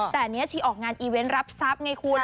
แต่อันนี้ชีออกงานอีเวนต์รับทรัพย์ไงคุณ